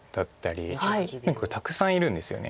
とにかくたくさんいるんですよね。